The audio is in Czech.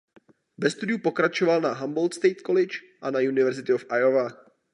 Ve studiu pokračoval na "Humboldt State College" a na "University of Iowa".